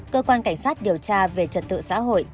cơ quan cảnh sát điều tra về trật tự xã hội